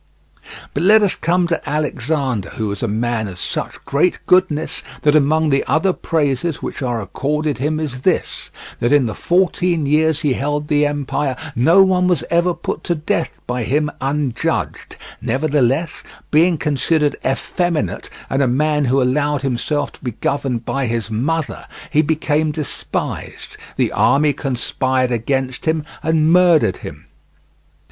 But let us come to Alexander, who was a man of such great goodness, that among the other praises which are accorded him is this, that in the fourteen years he held the empire no one was ever put to death by him unjudged; nevertheless, being considered effeminate and a man who allowed himself to be governed by his mother, he became despised, the army conspired against him, and murdered him.